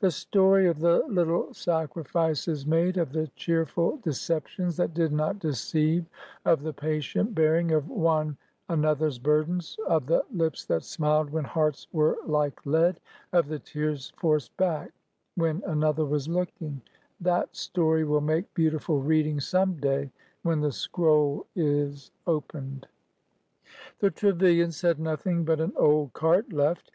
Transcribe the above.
The story of the little sacrifices made, of the cheerful deceptions that did not deceive, of the patient bearing of one another's burdens, of the " lips that smiled when hearts were like lead," of the tears forced back when an other was looking, — that story will make beautiful read ing some day when the scroll is opened. The Trevilians had nothing but an old cart left.